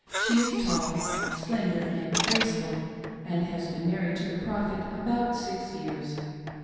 She is tall, slender, and graceful, and h. s been married to the Prophet about six years.